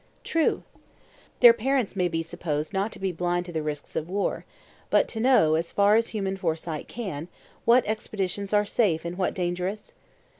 True. Their parents may be supposed not to be blind to the risks of war, but to know, as far as human foresight can, what expeditions are safe and what dangerous?